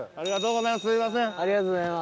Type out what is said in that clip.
ありがとうございます。